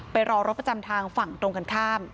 รอรถประจำทางฝั่งตรงกันข้าม